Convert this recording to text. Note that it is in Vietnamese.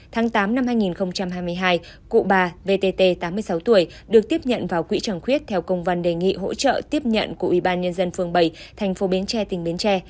tháng tám năm hai nghìn hai mươi hai cụ bà vtt tám mươi sáu tuổi được tiếp nhận vào quỹ chẳng khuyết theo công văn đề nghị hỗ trợ tiếp nhận của ủy ban nhân dân phường bảy thành phố bến tre tỉnh bến tre